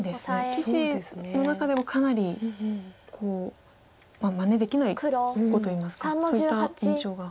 棋士の中でもかなりまねできない碁といいますかそういった印象がありますか。